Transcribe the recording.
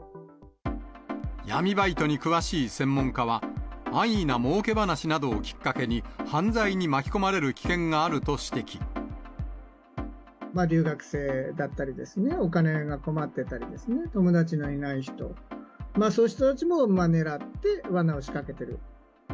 闇バイトに詳しい専門家は、安易なもうけ話などをきっかけに、犯罪に巻き込まれる危険があると留学生だったりですね、お金が困ってたりですね、友達がいない人、そういう人たちを狙ってわなを仕掛けてる。